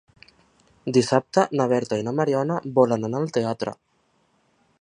Dissabte na Berta i na Mariona volen anar al teatre.